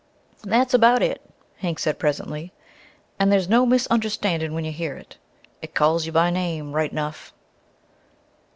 "That's about it," Hank said presently. "An' there's no misunderstandin' when you hear it. It calls you by name right 'nough."